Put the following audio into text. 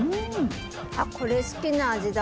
これ好きな味だ。